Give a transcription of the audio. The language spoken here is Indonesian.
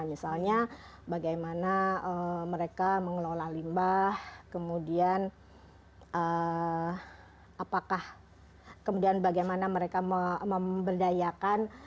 misalnya bagaimana mereka mengelola limbah kemudian apakah kemudian bagaimana mereka memberdayakan